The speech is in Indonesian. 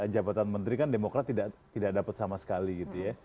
jabatan menteri kan demokrat tidak dapat sama sekali gitu ya